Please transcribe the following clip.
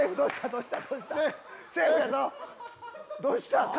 どうした？